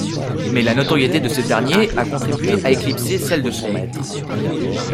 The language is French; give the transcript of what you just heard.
Mais la notoriété de ce dernier a contribué à éclipser celle de son maître.